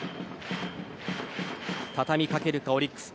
畳みかけるか、オリックス。